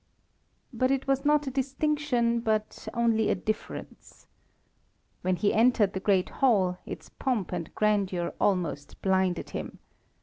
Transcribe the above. But it was not a distinction, but only a difference. When he entered the great hall, its pomp and grandeur almost blinded him.